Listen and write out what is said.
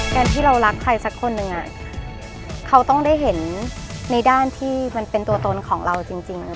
การที่เรารักใครสักคนหนึ่งเขาต้องได้เห็นในด้านที่มันเป็นตัวตนของเราจริง